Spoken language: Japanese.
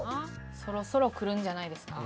そろそろくるんじゃないですか。